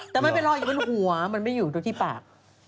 แต่ไม่เป็นรอยหยุ่นหัวมันไม่อยู่ที่ปาก